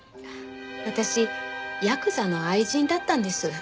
私ヤクザの愛人だったんです。